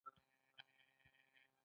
دوهمه کوزده د ښو پيسو سره ښه خوند کيي.